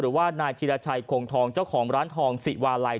หรือว่านายธิรชัยคงทองเจ้าของร้านทองสิวาลัย